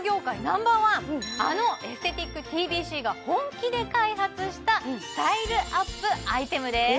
ナンバーワンあのエステティックＴＢＣが本気で開発したスタイルアップアイテムです